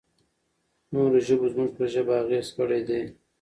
نورو ژبو زموږ پر ژبه اغېز کړی دی.